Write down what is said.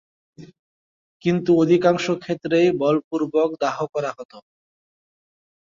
কিন্তু অধিকাংশ ক্ষেত্রেই বলপূর্বক দাহ করা হত।